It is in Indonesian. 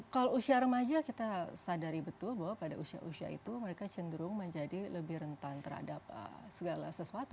kalau usia remaja kita sadari betul bahwa pada usia usia itu mereka cenderung menjadi lebih rentan terhadap segala sesuatu